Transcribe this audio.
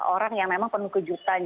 orang yang memang penuh kejutan